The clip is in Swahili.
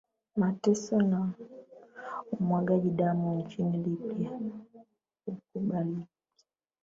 mateso na umwagaji damu nchini libya haukubaliki